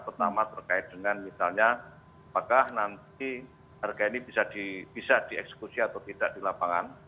pertama terkait dengan misalnya apakah nanti harga ini bisa dieksekusi atau tidak di lapangan